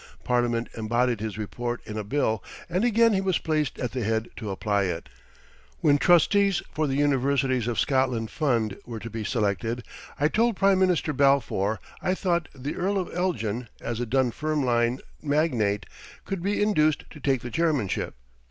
Parliament embodied his report in a bill, and again he was placed at the head to apply it. When trustees for the Universities of Scotland Fund were to be selected, I told Prime Minister Balfour I thought the Earl of Elgin as a Dunfermline magnate could be induced to take the chairmanship.